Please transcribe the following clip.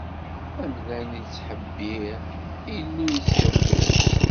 Amdan ittḥebbiṛ, Illu ittḍebbiṛ.